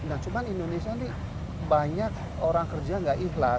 nah cuman indonesia nih banyak orang kerja gak ikhlas